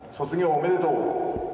卒業、おめでとう。